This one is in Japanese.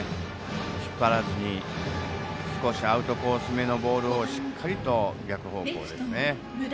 引っ張らずに少しアウトコースめのボールをしっかりと逆方向ですね。